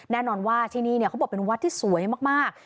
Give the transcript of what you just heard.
แน่นอนว่าที่นี่เขาบอกเป็นวัดที่สวยมาก